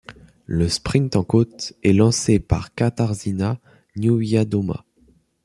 Le sprint en côte est lancée par Katarzyna Niewiadoma.